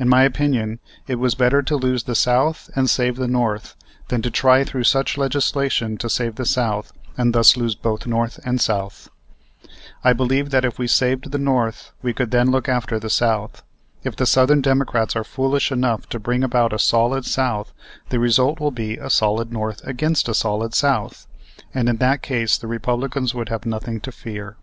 In my opinion, it was better to lose the South and save the North, than to try through such legislation to save the South, and thus lose both North and South. I believed that if we saved the North we could then look after the South. If the Southern Democrats are foolish enough to bring about a Solid South the result will be a Solid North against a Solid South; and in that case the Republicans would have nothing to fear.